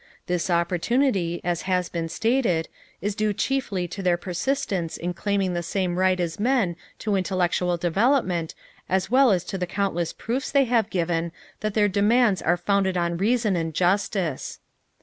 This opportunity, as has been stated, is due chiefly to their persistence in claiming the same right as men to intellectual development as well as to the countless proofs they have given that their demands are founded on reason and justice.